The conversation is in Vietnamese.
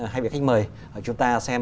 hai vị khách mời chúng ta xem